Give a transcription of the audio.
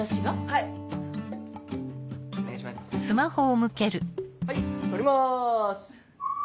はい撮ります！